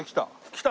来た？